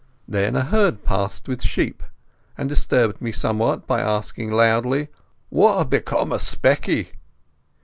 Then a herd passed with sheep, and disturbed me somewhat by asking loudly, "What had become o' Specky?"